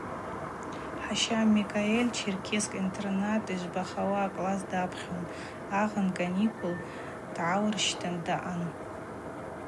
Хӏаща Микьаиль Черкесск интернат йжвбахауа акласс дапхьун, агъын кӏаникӏул дгӏауырщтын даъан.